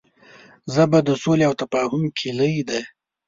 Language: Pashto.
ژبه د سولې او تفاهم کلۍ ده